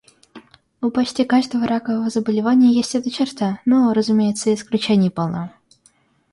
У почти каждого ракового заболевания есть эта черта, но, разумеется, и исключений полно.